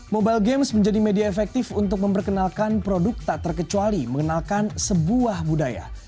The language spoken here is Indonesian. mobile games menjadi media efektif untuk memperkenalkan produk tak terkecuali mengenalkan sebuah budaya